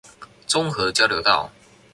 中和交流道